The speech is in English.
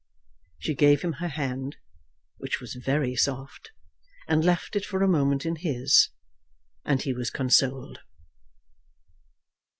She gave him her hand, which was very soft, and left it for a moment in his, and he was consoled.